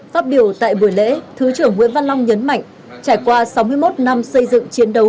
phát biểu tại buổi lễ thứ trưởng nguyễn văn long nhấn mạnh trải qua sáu mươi một năm xây dựng chiến đấu